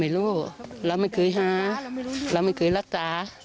เราไม่เคยหาเราไม่เคยรักษา